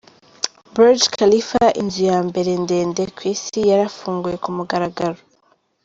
Burj Khalifa, inzu ya mbere ndende ku isi yarafunguwe ku mugaragaro.